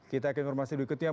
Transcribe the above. kita akan informasi berikutnya